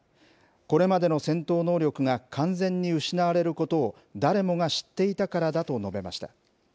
これまでの戦闘能力が完全に失われることを誰もが知っていたからだと述べました。